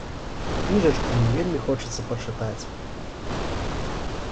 Кніжачку мне вельмі хочацца пачытаць.